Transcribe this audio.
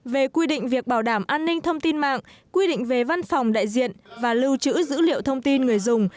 về quy định việc bảo đảm an ninh thông tin mạng quy định về văn phòng đại diện và lưu trữ dữ liệu thông tin người dùng